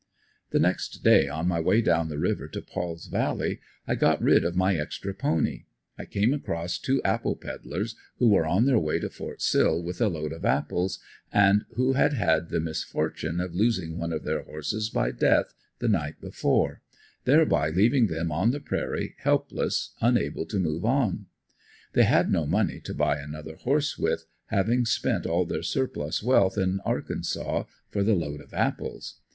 The next day on my way down the river to Paul's valley I got rid of my extra pony; I came across two apple peddlers who were on their way to Fort Sill with a load of apples and who had had the misfortune of losing one of their horses by death, the night before, thereby leaving them on the prairie helpless, unable to move on. They had no money to buy another horse with, having spent all their surplus wealth in Arkansas for the load of apples.